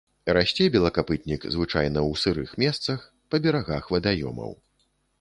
Расце белакапытнік звычайна ў сырых месцах, па берагах вадаёмаў.